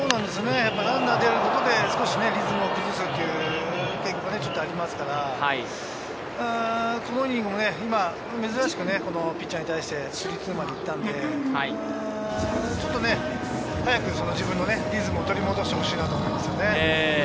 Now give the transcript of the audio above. ランナーが出ることで少しリズムを崩してという傾向がちょっとありますから、このイニングも今、珍しくピッチャーに対してうまくいったので、ちょっと早く自分のリズムを取り戻してほしいなと思います。